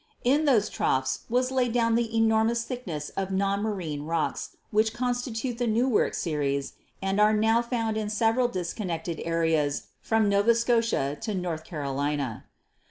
In those troughs was laid down the enormous thickness of non marine rocks which constitute the Newark series and are now found in several disconnected areas from Nova Scotia to North Carolina.